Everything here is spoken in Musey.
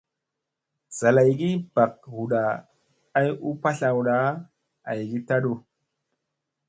Zalaygi bak huda ay u patlawda ayi taɗu.